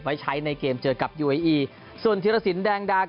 ก็จะมีการลงรายละเอียดที่สุดในการเล่นเกมวันนี้ครับ